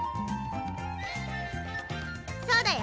そうだよ